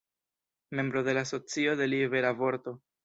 Membro de la Asocio de Libera Vorto.